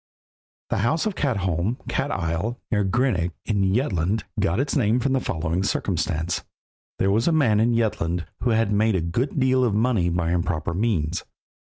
The house of Katholm (Cat isle) near Grenaac, in Jutland, got its name from the following circumstance. There was a man in Jutland who had made a good deal of money by improper means.